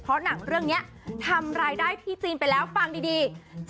เพราะหนังเรื่องนี้ทำรายได้ที่จีนไปแล้วฟังดี